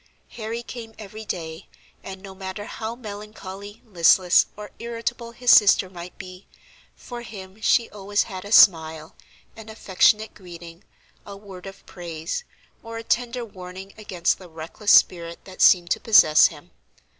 Harry came every day, and no matter how melancholy, listless, or irritable his sister might be, for him she always had a smile, an affectionate greeting, a word of praise, or a tender warning against the reckless spirit that seemed to possess him.